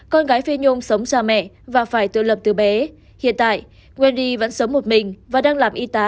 con gái phi nhung sống xa mẹ và phải tự lập từ bé hiện tại wendy vẫn sống một mình và đang làm y tá